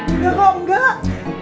enggak kok enggak